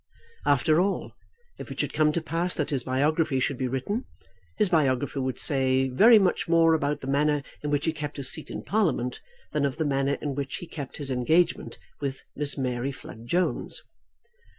After all, if it should ever come to pass that his biography should be written, his biographer would say very much more about the manner in which he kept his seat in Parliament than of the manner in which he kept his engagement with Miss Mary Flood Jones.